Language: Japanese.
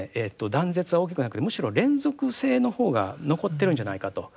断絶は大きくなくてむしろ連続性の方が残っているんじゃないかと。